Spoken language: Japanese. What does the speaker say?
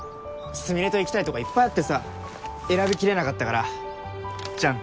スミレと行きたいとこいっぱいあってさ選びきれなかったからじゃん！